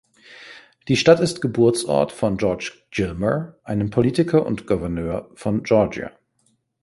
Die Stadt ist Geburtsort von George Gilmer, einem Politiker und Gouverneur von Georgia.